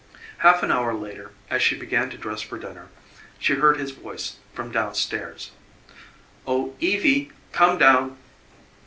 Half an hour later, as she began to dress for dinner, she heard his voice from down stairs. "Oh, Evie, come down!"